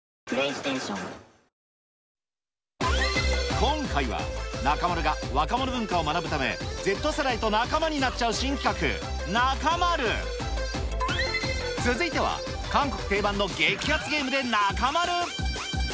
今回は、中丸が若者文化を学ぶため、Ｚ世代と仲間になっちゃう新企画、ナカマる！続いては、韓国定番の激アツゲームでナカマる。